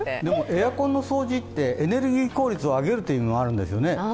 エアコンの掃除って、エネルギー効率を上げるという意味もあるんですね。